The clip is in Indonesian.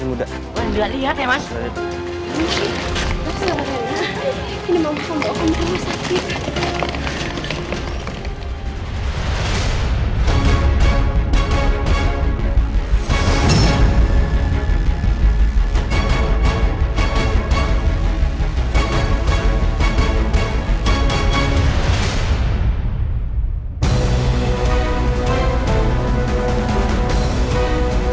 ini mau kondok aku sakit